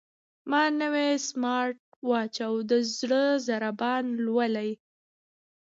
زما نوی سمارټ واچ د زړه ضربان لولي.